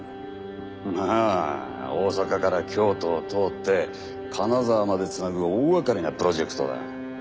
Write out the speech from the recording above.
まあ大阪から京都を通って金沢まで繋ぐ大がかりなプロジェクトだ。